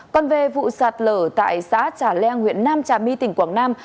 còn về vụ sạt lở tại xã trà leng huyện nam trà my tỉnh quảng nam